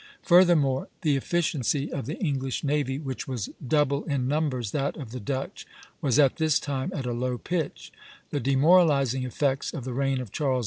Furthermore, the efficiency of the English navy, which was double in numbers that of the Dutch, was at this time at a low pitch; the demoralizing effects of the reign of Charles II.